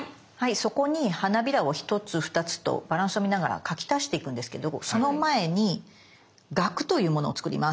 そこに花びらを１つ２つとバランスを見ながら描き足していくんですけどその前にがくというものを作ります。